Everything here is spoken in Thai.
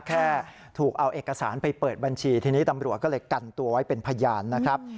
แค่ถูกเอาเอกสารไปเปิดบัญชีทีนี้ตำรวจก็เลยกันตัวไว้เป็นพยานนะครับ